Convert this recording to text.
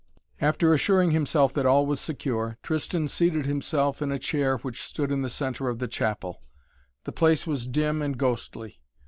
After assuring himself that all was secure, Tristan seated himself in a chair which stood in the centre of the chapel. The place was dim and ghostly.